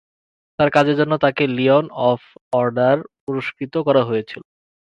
তার কাজের জন্য, তাকে "লিওন অব অর্ডার" পুরস্কৃত করা হয়েছিল।